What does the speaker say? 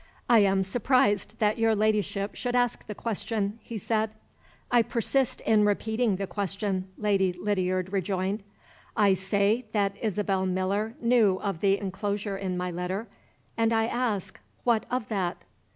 "I am surprised that your Ladyship should ask the question," he said. "I persist in repeating the question," Lady Lydiard rejoined. "I say that Isabel Miller knew of the inclosure in my letter and I ask, What of that?"